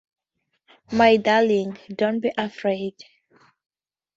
My darling, don't be afraid!